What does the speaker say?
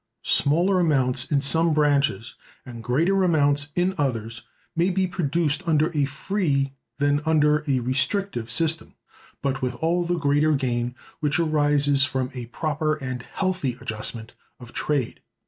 Smaller amounts in some branches, and greater amounts in others, may be produced under a free than under a restrictive system, but with all the greater gain which arises from a proper and healthy adjustment of trade.